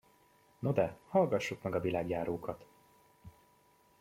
No de hallgassuk meg a világjárókat!